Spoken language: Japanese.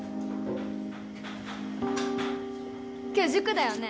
今日塾だよね？